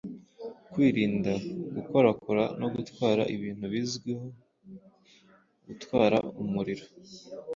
kwirinda gukorakora no gutwara ibintu bizwiho gutwara umuriro